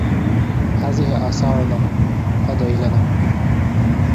هذه آثارنا فادع لنا